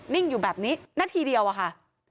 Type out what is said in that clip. นิ่งอยู่แบบนี้นาทีเดียวอะค่ะ